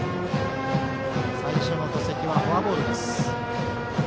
最初の打席はフォアボールです。